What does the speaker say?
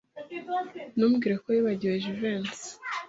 Ntumbwire ko wibagiwe Jivency.